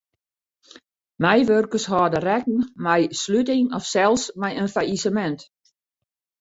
Meiwurkers hâlde rekken mei sluting of sels mei in fallisemint.